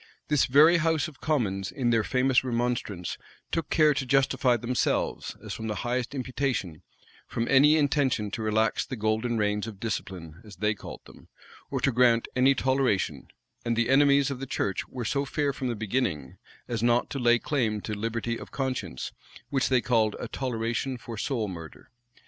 This very house of commons, in their famous remonstrance, took care to justify themselves, as from the highest imputation, from any intention to relax the golden reins of discipline, as they called them, or to grant any toleration;[*] and the enemies of the church were so fair from the beginning, as not to lay claim to liberty of conscience, which they called a toleration for soul murder.